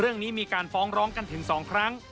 เรื่องนี้มีการฟ้องร้องกันถึง๒ครั้ง